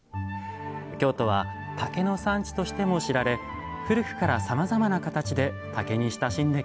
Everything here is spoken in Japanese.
京都は竹の産地としても知られ古くからさまざまな形で竹に親しんできました。